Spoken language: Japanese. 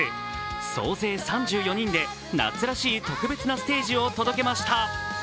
総勢３４人で夏らしい特別なステージを届けました。